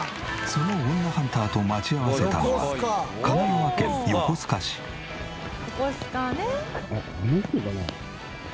その女ハンターと待ち合わせたのは「横須賀ね」